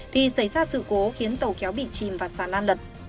thì xảy ra sự cố khiến tàu kéo bị chìm và xà lan lật